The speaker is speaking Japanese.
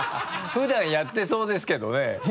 普段やってそうですけどね。